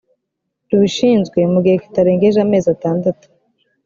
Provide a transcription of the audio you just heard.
rubishinzwe mugihe kitarengejeamezi atandatu